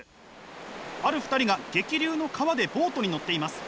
ある２人が激流の川でボートに乗っています。